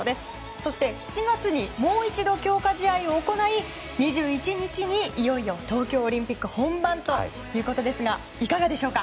そして、７月にもう一度強化試合をして２１日にいよいよ東京オリンピック本番ということですがいかがでしょうか。